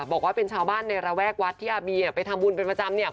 บอกว่าเป็นชาวบ้านในระแวกวัดที่อาเบียไปทำบุญเป็นประจำเนี่ย